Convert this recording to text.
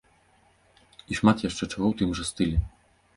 І шмат яшчэ чаго ў тым жа стылі.